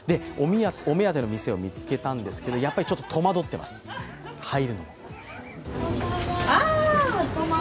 お目当ての店を見つけたんですけどちょっと戸惑っています、入るのに。